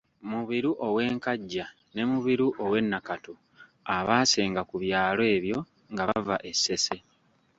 Mubiru ow’e Nkajja ne Mubiru ow’e Nakatu abaasenga ku byalo ebyo nga bava e Ssese.